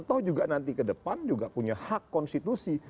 toh juga nanti ke depan juga punya hak konstitusi